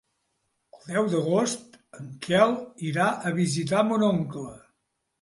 El deu d'agost en Quel irà a visitar mon oncle.